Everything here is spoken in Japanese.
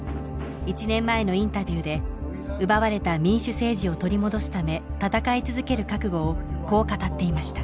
１年前のインタビューで奪われた民主政治を取り戻すため闘い続ける覚悟をこう語っていました